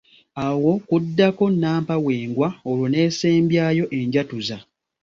Awo kuddako nnampawengwa olwo n’esembyayo enjatuza.